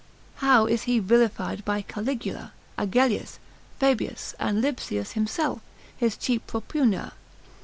How is he vilified by Caligula, Agellius, Fabius, and Lipsius himself, his chief propugner?